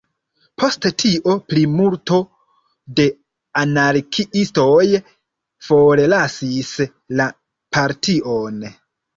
Post tio plimulto de anarkiistoj forlasis la partion.